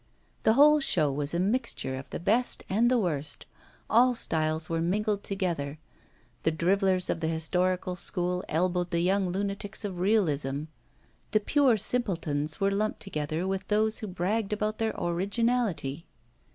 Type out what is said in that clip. The whole show was a mixture of the best and the worst, all styles were mingled together, the drivellers of the historical school elbowed the young lunatics of realism, the pure simpletons were lumped together with those who bragged about their originality.